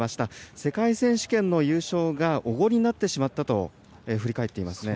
世界選手権の優勝がおごりになってしまったと振り返っていますね。